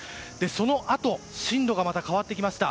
そのあと進路がまた変わってきました。